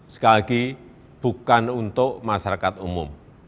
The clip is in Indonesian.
sekali lagi bukan untuk masyarakat umum